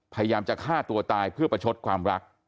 พยายามจะฆ่าตัวตายเพื่อประชดความรัก